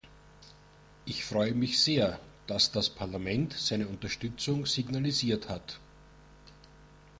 Ich freue mich sehr, dass das Parlament seine Unterstützung signalisiert hat.